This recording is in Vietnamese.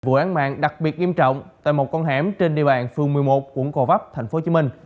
vụ án mạng đặc biệt nghiêm trọng tại một con hẻm trên địa bàn phường một mươi một quận gò vấp tp hcm